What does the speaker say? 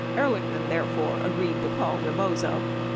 Ehrlichman, therefore, agreed to call Rebozo.